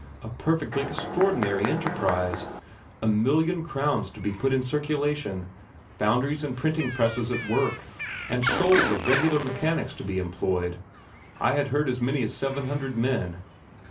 a perfectly extraordinary enterprise. A million crowns to be put in circulation; foundries and printing presses at work, and shoals of regular mechanics to be employed; I had heard as many as seven hundred men."